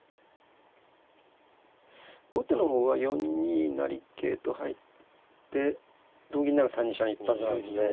後手の方は４二成桂と入って同銀なら３二飛車の一発があるんで。